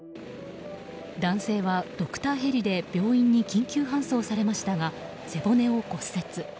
男性はドクターヘリで病院に緊急搬送されましたが背骨を骨折。